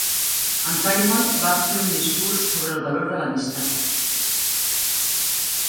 En Timon va fer un discurs sobre el valor de l'amistat.